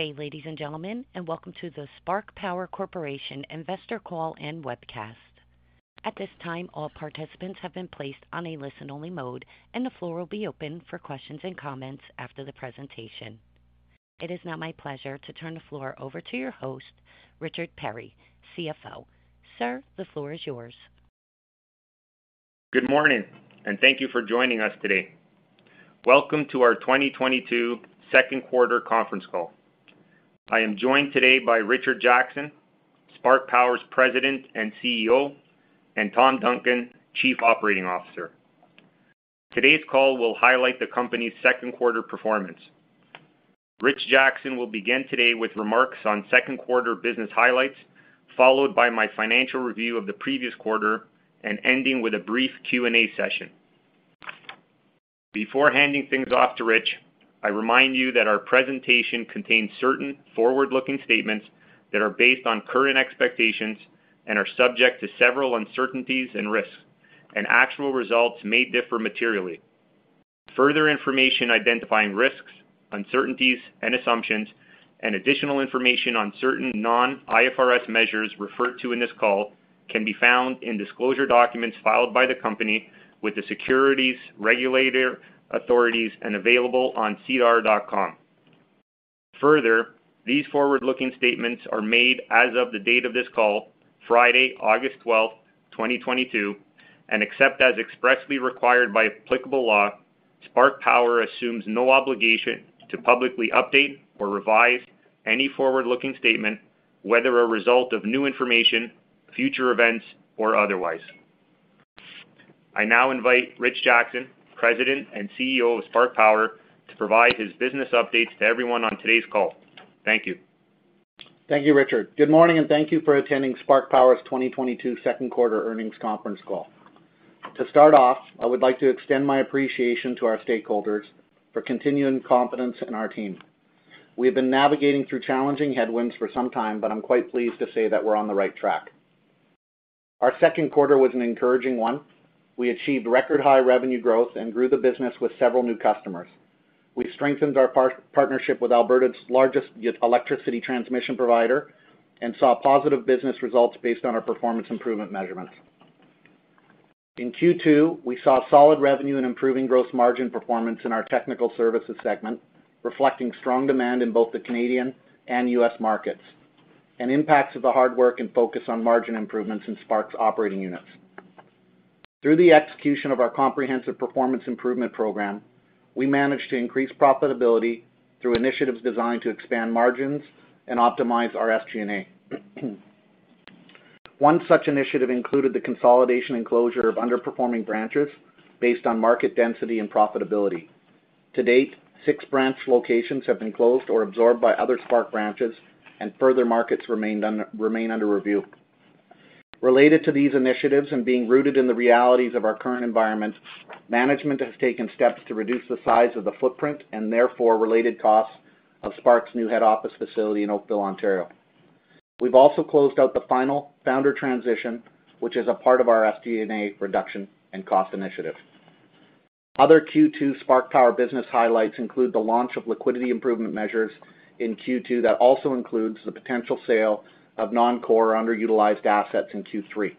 Good day, ladies and gentlemen, and welcome to the Spark Power Corp. Investor Call and Webcast. At this time, all participants have been placed on a listen-only mode, and the floor will be open for questions and comments after the presentation. It is now my pleasure to turn the floor over to your host, Richard Perri, CFO. Sir, the floor is yours. Good morning and thank you for joining us today. Welcome to our 2022 Q2 conference call. I am joined today by Richard Jackson, Spark Power's President and CEO, and Tom Duncan, Chief Operating Officer. Today's call will highlight the company's Q2 performance. Rich Jackson will begin today with remarks on Q2 business highlights, followed by my financial review of the previous quarter and ending with a brief Q&A session. Before handing things off to Rich, I remind you that our presentation contains certain forward-looking statements that are based on current expectations and are subject to several uncertainties and risks, and actual results may differ materially. Further information identifying risks, uncertainties and assumptions, and additional information on certain non-IFRS measures referred to in this call can be found in disclosure documents filed by the company with the security's regulatory authorities and available on SEDAR.com. Further, these forward-looking statements are made as of the date of this call, Friday, August 12, 2022, and except as expressly required by applicable law, Spark Power assumes no obligation to publicly update or revise any forward-looking statement, whether a result of new information, future events or otherwise. I now invite Rich Jackson, President and CEO of Spark Power, to provide his business updates to everyone on today's call. Thank you. Thank you, Richard. Good morning and thank you for attending Spark Power's 2022 Q2 earnings conference call. To start off, I would like to extend my appreciation to our stakeholders for continuing confidence in our team. We have been navigating through challenging headwinds for some time, but I'm quite pleased to say that we're on the right track. Our Q2 was an encouraging one. We achieved record-high revenue growth and grew the business with several new customers. We strengthened our partnership with Alberta's largest electricity transmission provider and saw positive business results based on our performance improvement measurements. In Q2, we saw solid revenue and improving gross margin performance in our technical services segment, reflecting strong demand in both the Canadian and U.S. markets and impacts of the hard work and focus on margin improvements in Spark's operating units. Through the execution of our comprehensive performance improvement program, we managed to increase profitability through initiatives designed to expand margins and optimize our SG&A. One such initiative included the consolidation and closure of underperforming branches based on market density and profitability. To date, six branch locations have been closed or absorbed by other Spark branches and further markets remain under review. Related to these initiatives and being rooted in the realities of our current environment, management has taken steps to reduce the size of the footprint and therefore related costs of Spark's new head office facility in Oakville, Ontario. We've also closed out the final founder transition, which is a part of our SG&A reduction and cost initiative. Other Q2 Spark Power business highlights include the launch of liquidity improvement measures in Q2. That also includes the potential sale of non-core underutilized assets in Q3.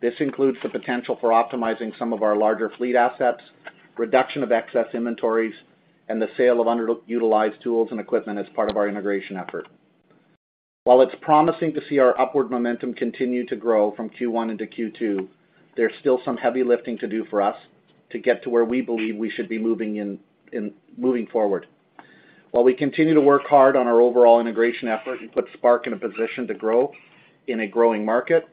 This includes the potential for optimizing some of our larger fleet assets, reduction of excess inventories, and the sale of underutilized tools and equipment as part of our integration effort. While it's promising to see our upward momentum continue to grow from Q1 into Q2, there's still some heavy lifting to do for us to get to where we believe we should be moving forward. While we continue to work hard on our overall integration effort and put Spark in a position to grow in a growing market,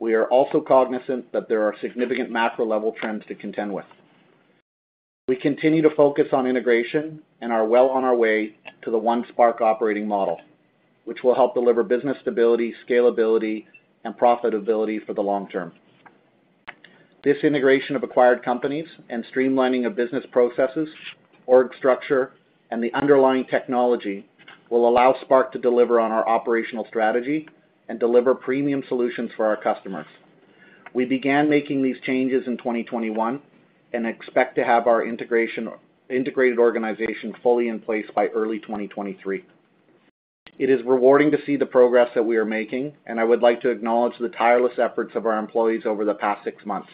we are also cognizant that there are significant macro-level trends to contend with. We continue to focus on integration and are well on our way to the one Spark operating model, which will help deliver business stability, scalability and profitability for the long term. This integration of acquired companies and streamlining of business processes, org structure, and the underlying technology will allow Spark to deliver on our operational strategy and deliver premium solutions for our customers. We began making these changes in 2021 and expect to have our integrated organization fully in place by early 2023. It is rewarding to see the progress that we are making, and I would like to acknowledge the tireless efforts of our employees over the past six months.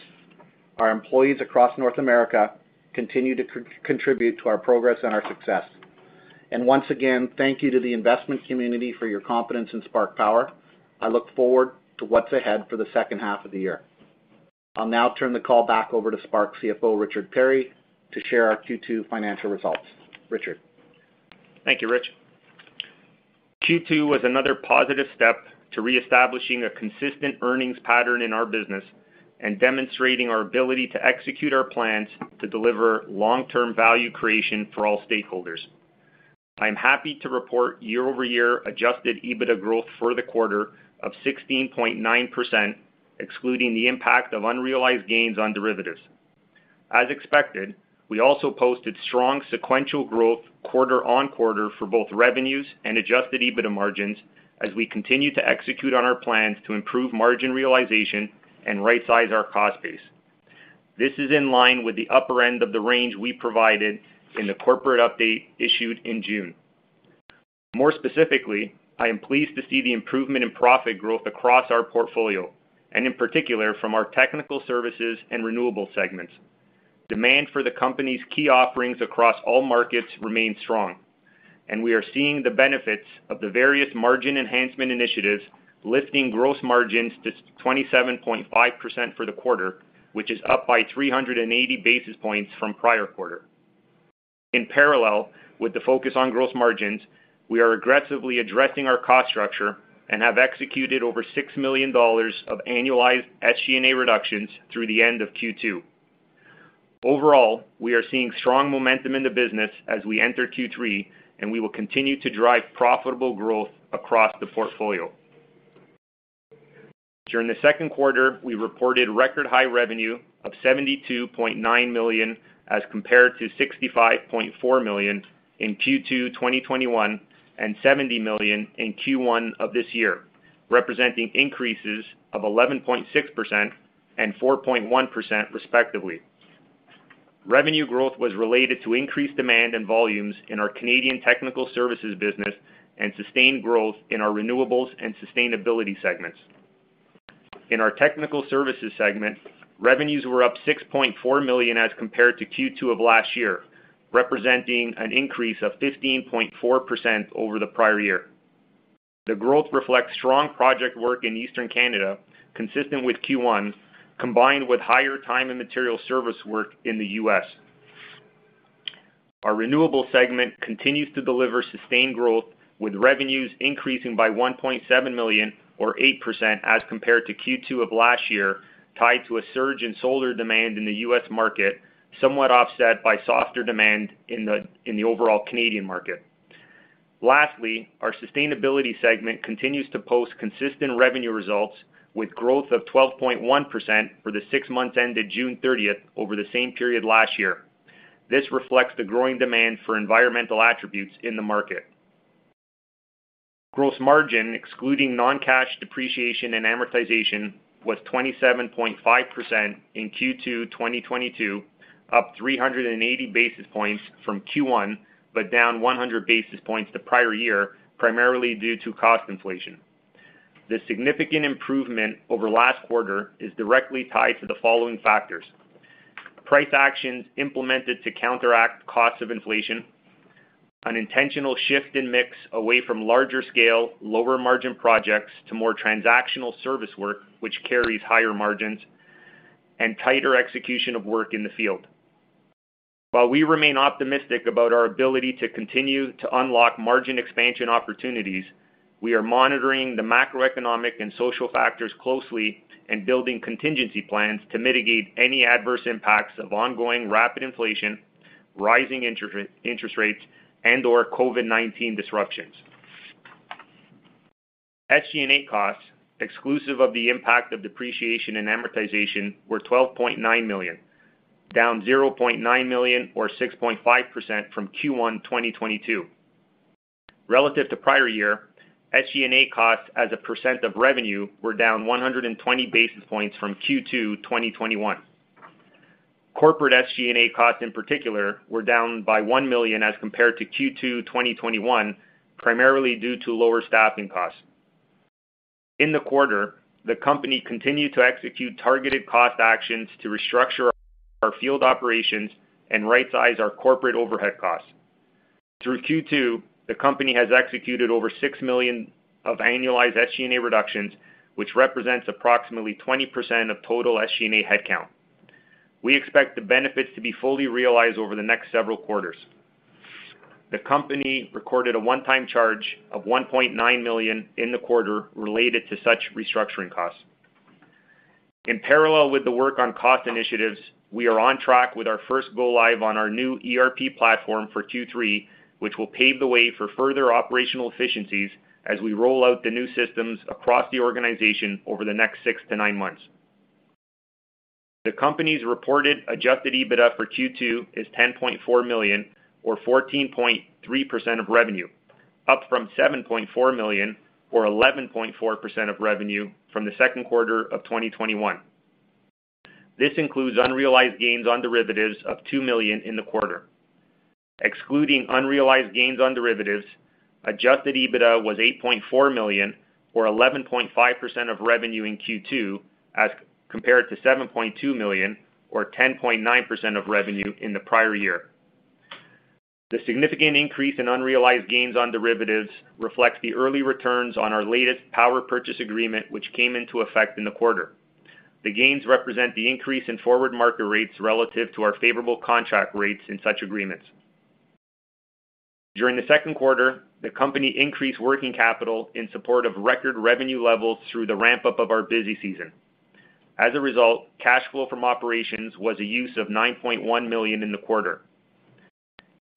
Our employees across North America continue to contribute to our progress and our success. Once again, thank you to the investment community for your confidence in Spark Power. I look forward to what's ahead for the second half of the year. I'll now turn the call back over to Spark CFO, Richard Perri, to share our Q2 financial results. Richard. Thank you, Rich. Q2 was another positive step to reestablishing a consistent earnings pattern in our business and demonstrating our ability to execute our plans to deliver long-term value creation for all stakeholders. I'm happy to report year-over-year adjusted EBITDA growth for the quarter of 16.9%, excluding the impact of unrealized gains on derivatives. As expected, we also posted strong sequential growth QoQ for both revenues and adjusted EBITDA margins as we continue to execute on our plans to improve margin realization and right-size our cost base. This is in line with the upper end of the range we provided in the corporate update issued in June. More specifically, I am pleased to see the improvement in profit growth across our portfolio, and in particular from our technical services and renewable segments. Demand for the company's key offerings across all markets remain strong, and we are seeing the benefits of the various margin enhancement initiatives lifting gross margins to 27.5% for the quarter, which is up by 380 basis points from prior quarter. In parallel with the focus on gross margins, we are aggressively addressing our cost structure and have executed over 6 million dollars of annualized SG&A reductions through the end of Q2. Overall, we are seeing strong momentum in the business as we enter Q3, and we will continue to drive profitable growth across the portfolio. During the Q2, we reported record high revenue of 72.9 million as compared to 65.4 million in Q2 2021, and 70 million in Q1 of this year, representing increases of 11.6% and 4.1% respectively. Revenue growth was related to increased demand and volumes in our Canadian technical services business and sustained growth in our renewables and sustainability segments. In our technical services segment, revenues were up 6.4 million as compared to Q2 of last year, representing an increase of 15.4% over the prior year. The growth reflects strong project work in Eastern Canada, consistent with Q1, combined with higher time and material service work in the U.S. Our renewable segment continues to deliver sustained growth, with revenues increasing by 1.7 million or 8% as compared to Q2 of last year, tied to a surge in solar demand in the U.S. market, somewhat offset by softer demand in the overall Canadian market. Lastly, our sustainability segment continues to post consistent revenue results with growth of 12.1% for the six months ended June 30 over the same period last year. This reflects the growing demand for environmental attributes in the market. Gross margin, excluding non-cash depreciation and amortization, was 27.5% in Q2 2022, up 380 basis points from Q1, but down 100 basis points the prior year, primarily due to cost inflation. The significant improvement over last quarter is directly tied to the following factors. Price actions implemented to counteract costs of inflation. An intentional shift in mix away from larger scale, lower margin projects to more transactional service work which carries higher margins. Tighter execution of work in the field. While we remain optimistic about our ability to continue to unlock margin expansion opportunities, we are monitoring the macroeconomic and social factors closely and building contingency plans to mitigate any adverse impacts of ongoing rapid inflation, rising interest rates, and/or COVID-19 disruptions. SG&A costs, exclusive of the impact of depreciation and amortization, were 12.9 million, down 0.9 million or 6.5% from Q1 2022. Relative to prior year, SG&A costs as a % of revenue were down 120 basis points from Q2 2021. Corporate SG&A costs in particular, were down by 1 million as compared to Q2 2021, primarily due to lower staffing costs. In the quarter, the company continued to execute targeted cost actions to restructure our field operations and rightsize our corporate overhead costs. Through Q2, the company has executed over 6 million of annualized SG&A reductions, which represents approximately 20% of total SG&A headcount. We expect the benefits to be fully realized over the next several quarters. The company recorded a one-time charge of 1.9 million in the quarter related to such restructuring costs. In parallel with the work on cost initiatives, we are on track with our first go live on our new ERP platform for Q3, which will pave the way for further operational efficiencies as we roll out the new systems across the organization over the next six to nine months. The company's reported adjusted EBITDA for Q2 is 10.4 million or 14.3% of revenue, up from 7.4 million or 11.4% of revenue from the Q2 of 2021. This includes unrealized gains on derivatives of 2 million in the quarter. Excluding unrealized gains on derivatives, adjusted EBITDA was 8.4 million or 11.5% of revenue in Q2 as compared to 7.2 million or 10.9% of revenue in the prior year. The significant increase in unrealized gains on derivatives reflects the early returns on our latest power purchase agreement, which came into effect in the quarter. The gains represent the increase in forward market rates relative to our favorable contract rates in such agreements. During the Q2, the company increased working capital in support of record revenue levels through the ramp-up of our busy season. As a result, cash flow from operations was a use of 9.1 million in the quarter.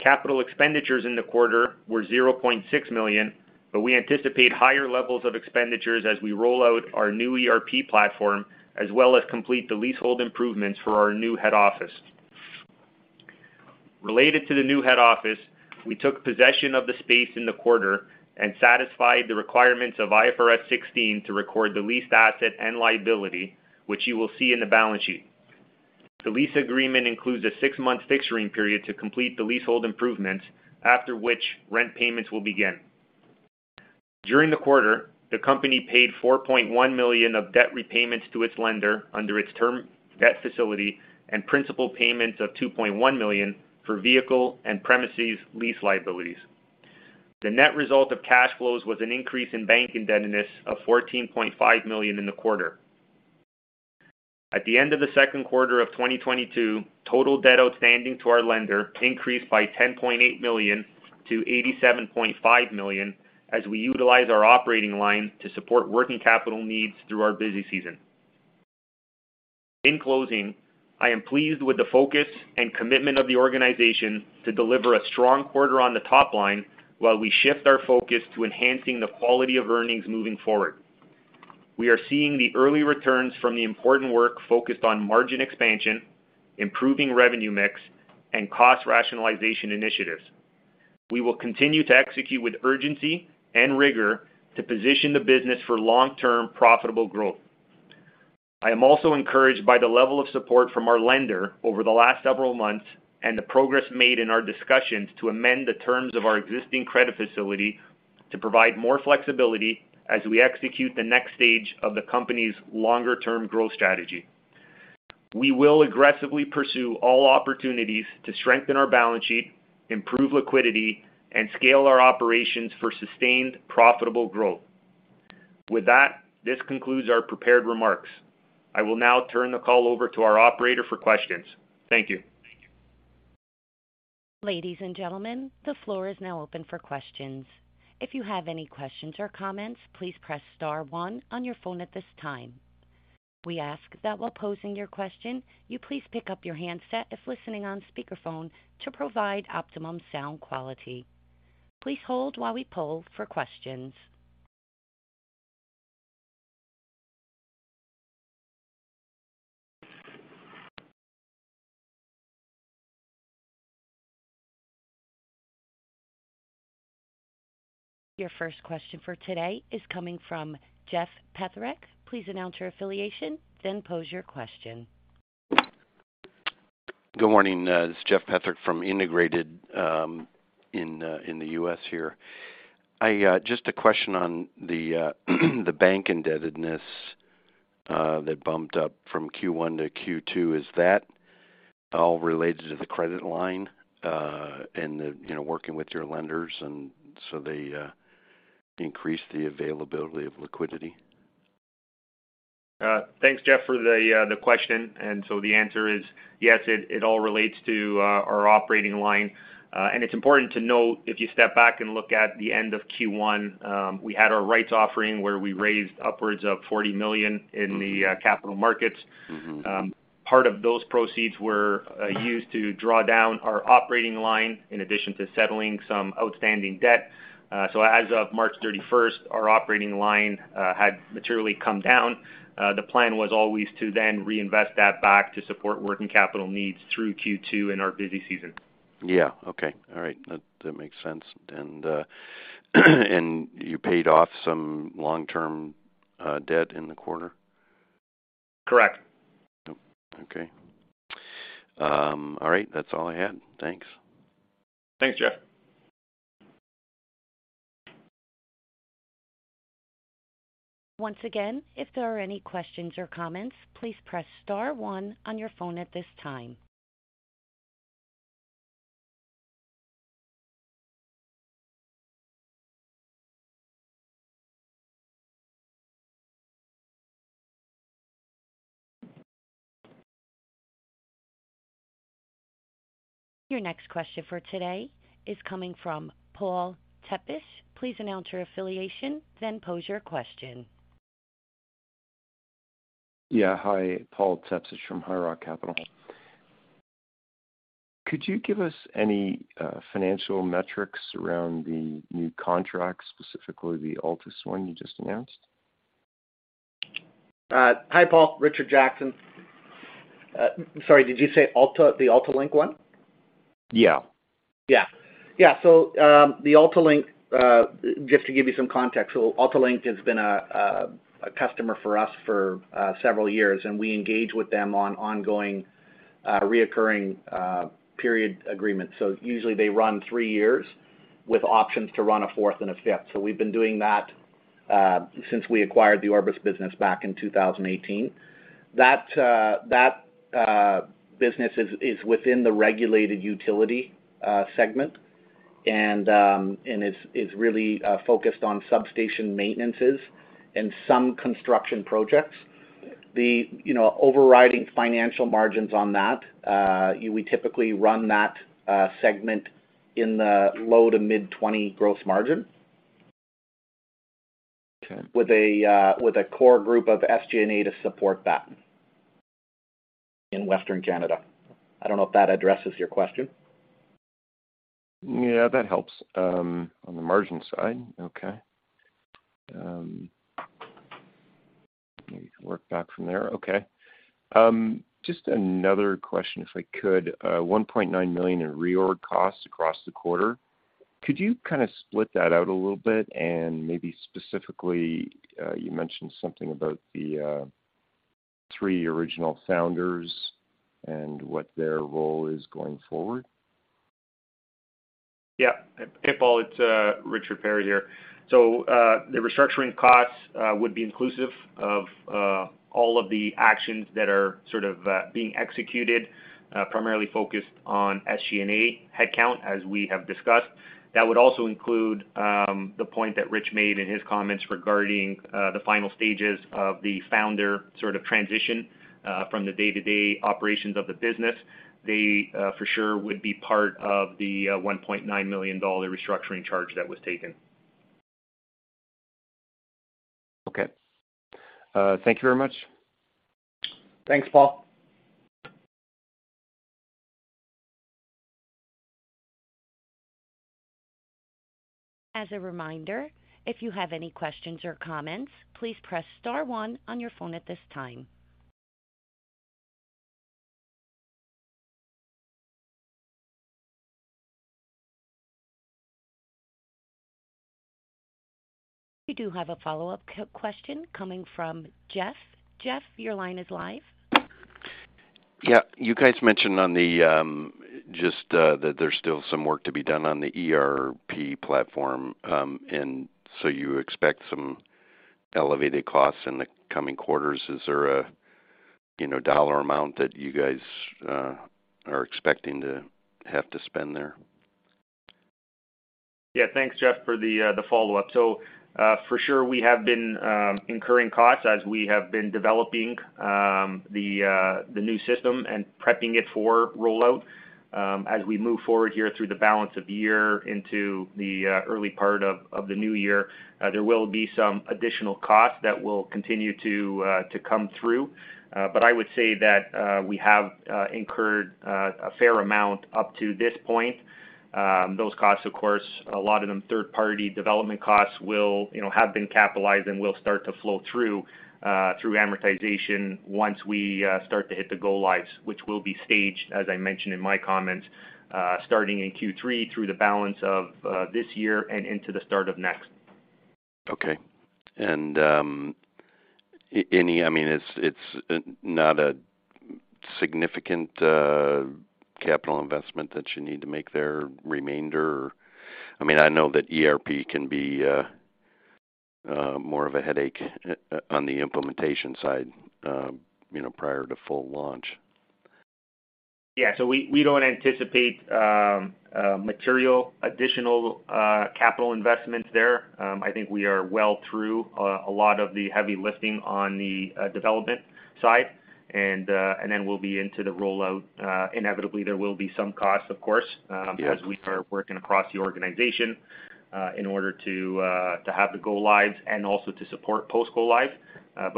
Capital expenditures in the quarter were 0.6 million, but we anticipate higher levels of expenditures as we roll out our new ERP platform, as well as complete the leasehold improvements for our new head office. Related to the new head office, we took possession of the space in the quarter and satisfied the requirements of IFRS 16 to record the leased asset and liability, which you will see in the balance sheet. The lease agreement includes a six-month fixturing period to complete the leasehold improvements, after which rent payments will begin. During the quarter, the company paid 4.1 million of debt repayments to its lender under its term debt facility and principal payments of 2.1 million for vehicle and premises lease liabilities. The net result of cash flows was an increase in bank indebtedness of 14.5 million in the quarter. At the end of the Q2 of 2022, total debt outstanding to our lender increased by 10.8 million to 87.5 million as we utilize our operating line to support working capital needs through our busy season. In closing, I am pleased with the focus and commitment of the organization to deliver a strong quarter on the top line while we shift our focus to enhancing the quality of earnings moving forward. We are seeing the early returns from the important work focused on margin expansion, improving revenue mix, and cost rationalization initiatives. We will continue to execute with urgency and rigor to position the business for long-term profitable growth. I am also encouraged by the level of support from our lender over the last several months and the progress made in our discussions to amend the terms of our existing credit facility to provide more flexibility as we execute the next stage of the company's longer-term growth strategy. We will aggressively pursue all opportunities to strengthen our balance sheet, improve liquidity, and scale our operations for sustained profitable growth. With that, this concludes our prepared remarks. I will now turn the call over to our operator for questions. Thank you. Ladies and gentlemen, the floor is now open for questions. If you have any questions or comments, please press star one on your phone at this time. We ask that while posing your question, you please pick up your handset if listening on speakerphone to provide optimum sound quality. Please hold while we poll for questions. Your first question for today is coming from Jeff Petherick. Please announce your affiliation, then pose your question. Good morning. This is Jeff Petherick from Integrated in the US here. I just a question on the bank indebtedness that bumped up from Q1 to Q2. Is that all related to the credit line and the, you know, working with your lenders and so they increase the availability of liquidity? Thanks, Jeff, for the question. The answer is yes, it all relates to our operating line. It's important to note, if you step back and look at the end of Q1, we had our rights offering where we raised upwards of 40 million in the capital markets. Mm-hmm. Part of those proceeds were used to draw down our operating line in addition to settling some outstanding debt. As of March 31, our operating line had materially come down. The plan was always to then reinvest that back to support working capital needs through Q2 in our busy season. Yeah. Okay. All right. That makes sense. You paid off some long-term debt in the quarter? Correct. Okay. All right. That's all I had. Thanks. Thanks, Jeff. Once again, if there are any questions or comments, please press star one on your phone at this time. Your next question for today is coming from Paul Tepsich. Please announce your affiliation, then pose your question. Yeah. Hi, Paul Tepsich from High Rock Capital. Could you give us any financial metrics around the new contract, specifically the AltaLink one you just announced? Hi, Paul. Richard Jackson. Sorry, did you say AltaLink? Yeah. Yeah, just to give you some context. AltaLink has been a customer for us for several years, and we engage with them on ongoing, recurring periodic agreements. Usually they run three years with options to run a fourth and a fifth. We've been doing that since we acquired the Orbis business back in 2018. That business is within the regulated utility segment and is really focused on substation maintenance and some construction projects. You know, the overall financial margins on that, we typically run that segment in the low- to mid-20% gross margin. Okay. With a core group of SG&A to support that in Western Canada. I don't know if that addresses your question. Yeah, that helps on the margin side. Okay. Walk back from there. Okay. Just another question, if I could. 1.9 million in reorg costs across the quarter, could you kinda split that out a little bit and maybe specifically, you mentioned something about the three original founders and what their role is going forward? Yeah. Hey, Paul, it's Richard Perri here. The restructuring costs would be inclusive of all of the actions that are sort of being executed, primarily focused on SG&A headcount, as we have discussed. That would also include the point that Rich made in his comments regarding the final stages of the founder sort of transition from the day-to-day operations of the business. They for sure would be part of the 1.9 million dollar restructuring charge that was taken. Okay. Thank you very much. Thanks, Paul. As a reminder, if you have any questions or comments, please press star one on your phone at this time. We do have a follow-up question coming from Jeff. Jeff, your line is live. Yeah. You guys mentioned that there's still some work to be done on the ERP platform, and so you expect some elevated costs in the coming quarters. Is there a, you know, dollar amount that you guys are expecting to have to spend there? Yeah. Thanks, Jeff, for the follow-up. For sure we have been incurring costs as we have been developing the new system and prepping it for rollout. As we move forward here through the balance of the year into the early part of the new year, there will be some additional costs that will continue to come through. I would say that we have incurred a fair amount up to this point. Those costs, of course, a lot of them third-party development costs will, you know, have been capitalized and will start to flow through through amortization once we start to hit the go lives, which will be staged, as I mentioned in my comments, starting in Q3 through the balance of this year and into the start of next. Okay. I mean, it's not a significant capital investment that you need to make. I mean, I know that ERP can be more of a headache on the implementation side, you know, prior to full launch. Yeah. We don't anticipate material additional capital investments there. I think we are well through a lot of the heavy lifting on the development side and then we'll be into the rollout. Inevitably there will be some costs, of course. Yes As we are working across the organization, in order to have the go-lives and also to support post-go-live.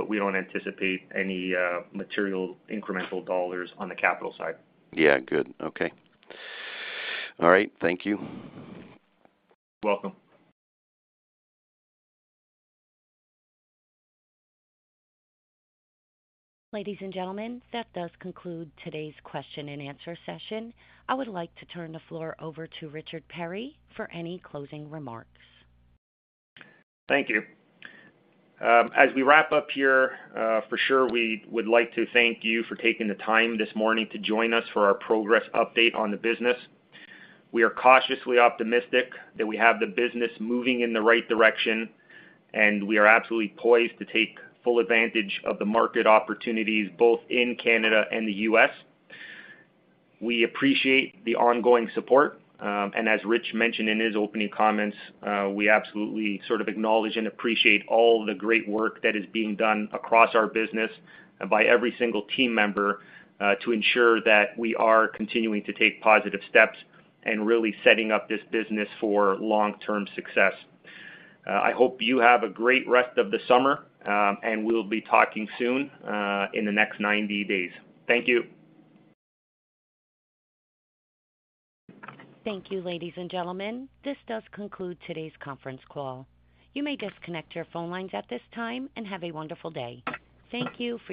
We don't anticipate any material incremental dollars on the capital side. Yeah. Good. Okay. All right. Thank you. You're welcome. Ladies and gentlemen, that does conclude today's question and answer session. I would like to turn the floor over to Richard Perri for any closing remarks. Thank you. As we wrap up here, for sure we would like to thank you for taking the time this morning to join us for our progress update on the business. We are cautiously optimistic that we have the business moving in the right direction, and we are absolutely poised to take full advantage of the market opportunities both in Canada and the U.S. We appreciate the ongoing support. As Rich mentioned in his opening comments, we absolutely sort of acknowledge and appreciate all the great work that is being done across our business by every single team member, to ensure that we are continuing to take positive steps and really setting up this business for long-term success. I hope you have a great rest of the summer, and we'll be talking soon, in the next 90 days. Thank you. Thank you, ladies and gentlemen. This does conclude today's conference call. You may disconnect your phone lines at this time, and have a wonderful day. Thank you for your participation.